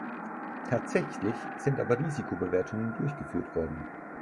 Tatsächlich sind aber Risikobewertungen durchgeführt worden.